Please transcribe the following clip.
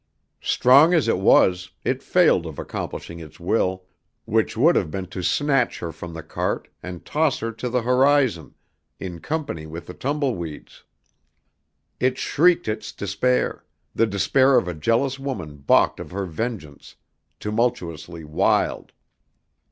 Strong as it was, it failed of accomplishing its will, which would have been to snatch her from the cart and toss her to the horizon in company with the tumbleweeds. It shrieked its despair, the despair of a jealous woman balked of her vengeance, tumultuously wild.